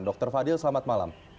dr fadil selamat malam